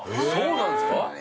そうなんですか。